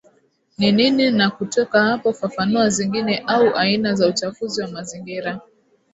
ni nini na kutoka hapo fafanua zingine au aina za uchafuzi wa mazingira